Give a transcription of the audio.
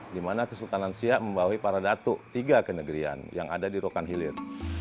di mana kesultanan siak membawahi para datuk tiga kenegerian yang ada di rokan hilir